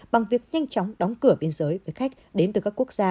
bằng việc nhanh chóng đóng cửa biên giới với khách đến từ các quốc gia